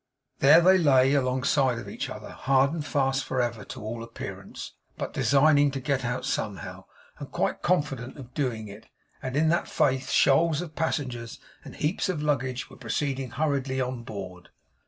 There they lay, alongside of each other; hard and fast for ever, to all appearance, but designing to get out somehow, and quite confident of doing it; and in that faith shoals of passengers, and heaps of luggage, were proceeding hurriedly on board.